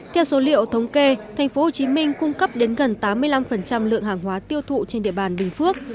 theo số liệu thống kê tp hcm cung cấp đến gần tám mươi năm lượng hàng hóa tiêu thụ trên địa bàn bình phước